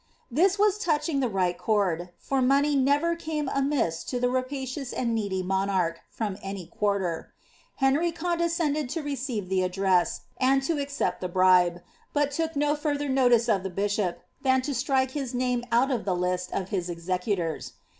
' his was touching the right chord, for money never came amiss to the pacious and needy monarch, from any quarter. Henry condescended receive the address, and to accept the bribe, but took no further no re of the bishop, than to strike his name out of the list of his execu rs.